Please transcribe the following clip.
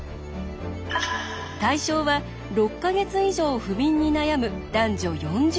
対象は６か月以上不眠に悩む男女４０人。